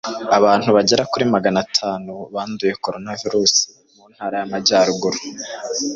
abantu bagera kuri maganatanu banduye koronavirusi muntara y’amajyaruguru